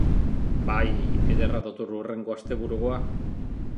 Bai, ederra dator hurrengo asteburukoa!